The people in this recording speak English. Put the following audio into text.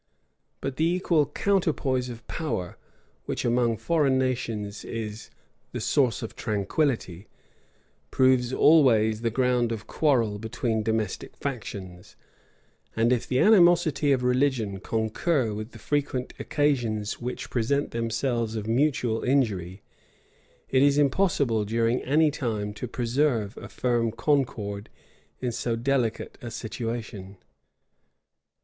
[*] But the equal counterpoise of power, which, among foreign nations, is the source of tranquillity, proves always the ground of quarrel between domestic factions; and if the animosity of religion concur with the frequent occasions which present themselves of mutual injury, it is impossible during any time, to preserve a firm concord in so delicate a situation.